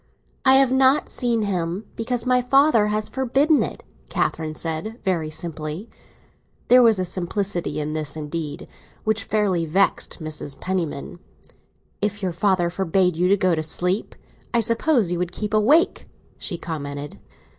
"I have not seen him, because my father has forbidden it," Catherine said very simply. There was a simplicity in this, indeed, which fairly vexed Mrs. Penniman. "If your father forbade you to go to sleep, I suppose you would keep awake!" she commented.